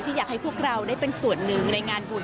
อยากให้พวกเราได้เป็นส่วนหนึ่งในงานบุญ